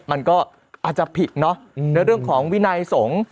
มันก็อาจจะผิดเนอะในเรื่องของวินัยสงฆ์